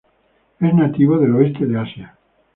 Es nativo del oeste de Asia.